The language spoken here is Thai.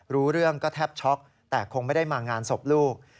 รู้เรื่องก็แทบช็อกแต่คงไม่ได้มางานศพลูก